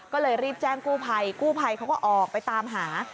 ก็เลยรีบแจ้งกู้ภัยกู้ภัยเขาก็ออกไปตามหา